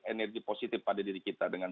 energi positif pada diri kita dengan